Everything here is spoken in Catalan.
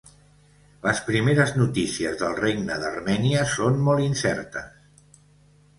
Les primeres notícies del Regne d'Armènia són molt incertes.